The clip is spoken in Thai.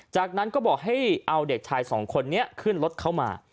จากนั้นก็บอกให้เอาเด็กชายสองคนนี้ขึ้นรถเข้ามา